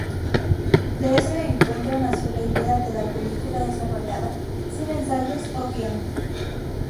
De ese encuentro nació la idea de la película desarrollada sin ensayos o guion.